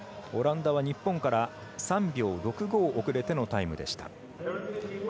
オランダは日本から３秒６５遅れてのタイムでした。